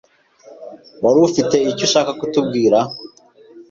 Wari ufite icyo ushaka kutubwira?